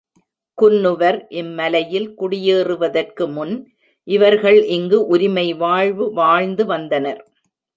குன்னுவர் இம்மலையில் குடியேறுவதற்கு முன் இவர்கள் இங்கு உரிமை வாழ்வு வாழ்ந்து வந்தனர்.